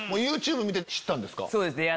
ＹｏｕＴｕｂｅ見て知ったんですか？